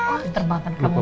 oh terbangkan kamu